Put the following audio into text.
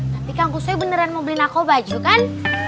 tapi tangguh soi beneran mau beliin aku baju kan